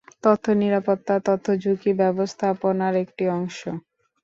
তথ্য নিরাপত্তা তথ্য ঝুঁকি ব্যবস্থাপনার একটি অংশ।